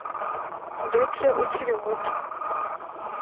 ndetse ukiri muto